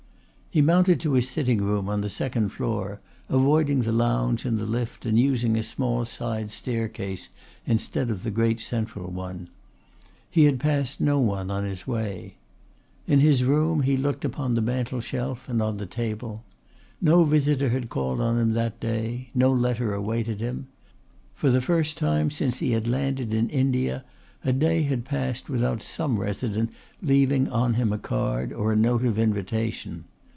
He mounted to his sitting room on the second floor, avoiding the lounge and the lift and using a small side staircase instead of the great central one. He had passed no one on the way. In his room he looked upon the mantelshelf and on the table. No visitor had called on him that day; no letter awaited him. For the first time since he had landed in India a day had passed without some resident leaving on him a card or a note of invitation.